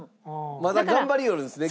まだ頑張りよるんですね